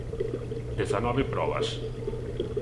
Dezanove probas.